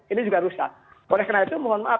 ini juga rusak oleh karena itu mohon maaf